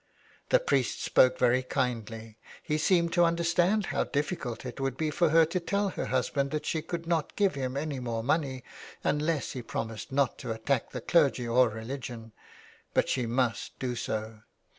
The priest spoke very kindly, he seemed to understand how difficult it would be for her to tell her husband that she could not give him any more money unless he promised not to attack the clergy or religion, but she must do so.